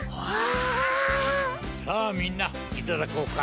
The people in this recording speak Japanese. さあみんないただこうか。